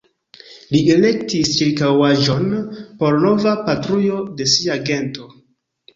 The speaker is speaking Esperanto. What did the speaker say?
Li elektis ĉirkaŭaĵon por nova patrujo de sia gento.